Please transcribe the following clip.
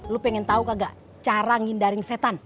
lo pengen tau kagak cara ngindarin setan